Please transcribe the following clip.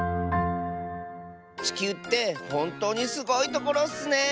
ちきゅうってほんとうにすごいところッスね。